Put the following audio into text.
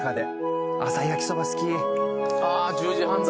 ああ１０時半だ。